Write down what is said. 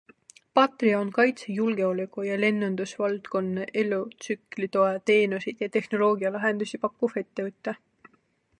Patria on kaitse-, julgeoleku- ja lennundusvaldkonna elutsüklitoe teenuseid ja tehnoloogialahendusi pakkuv ettevõte.